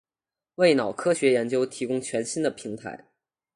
为脑科学研究提供全新的平台